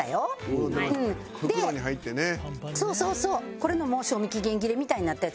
これのもう賞味期限切れみたいになったやつ